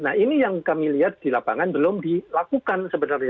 nah ini yang kami lihat di lapangan belum dilakukan sebenarnya